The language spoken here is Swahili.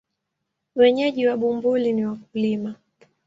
Wenyeji wa Bumbuli ni wakulima.